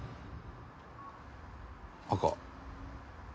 「赤」